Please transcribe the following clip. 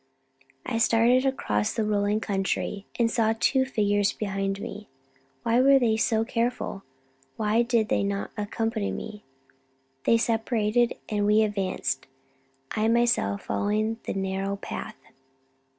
I started across the rolling country, and saw the two figures behind me. Why were they so careful? Why did they not accompany me? They separated, and we advanced, I myself following the narrow path.